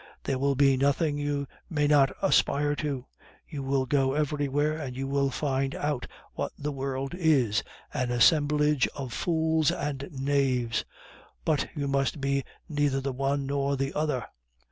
There will be nothing you may not aspire to; you will go everywhere, and you will find out what the world is an assemblage of fools and knaves. But you must be neither the one nor the other.